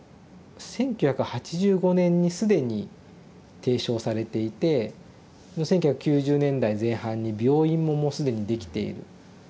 １９８５年に既に提唱されていて１９９０年代前半に病院ももう既にできている。